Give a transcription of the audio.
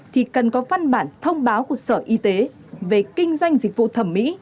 thì cần có văn bản thông báo của sở y tế về kinh doanh dịch vụ thẩm mỹ